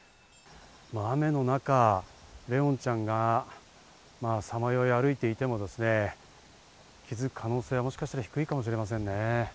雨の中怜音ちゃんがさまよい歩いていてもですね、気づく可能性はもしかすると低いかもしれませんね。